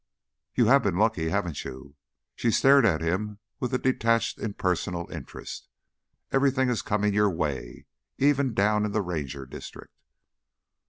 "You have been lucky, haven't you?" She stared at him with a detached, impersonal interest. "Everything is coming your way, even down in the Ranger district."